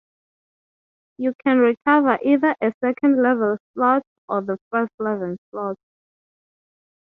You can recover either a second level slot or two first level slots.